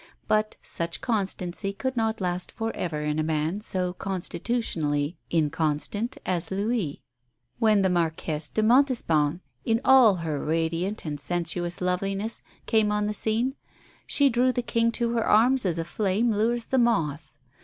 But such constancy could not last for ever in a man so constitutionally inconstant as Louis. When the Marquise de Montespan, in all her radiant and sensuous loveliness, came on the scene, she drew the King to her arms as a flame lures the moth.